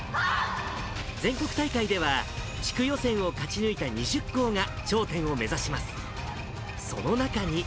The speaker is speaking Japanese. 全国大会では、地区予選を勝ち抜いた２０校が頂点を目指します。